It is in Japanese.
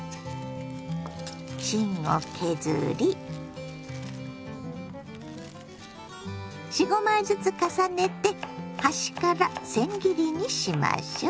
芯を削り４５枚ずつ重ねて端からせん切りにしましょ。